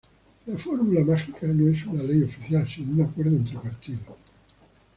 La fórmula mágica no es una ley oficial, sino un acuerdo entre partidos.